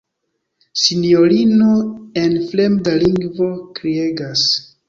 Sinjorino en fremda lingvo kriegas.